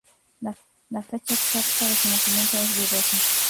La fecha exacta de su nacimiento es dudosa.